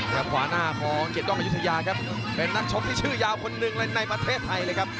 ครับขวานหน้าของเกร็ดกล้องยุธยาครับเป็นนักชบที่ชื่อยาวคนหนึ่งในประเทศไทยเลยครับ